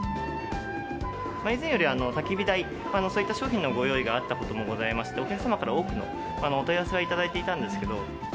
以前より焚火台、そういった商品のご用意があったこともございまして、お客様から多くのお問い合わせは頂いていたんですけど。